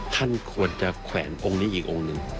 ท่านควรจะแขวนองค์นี้อีกองค์หนึ่ง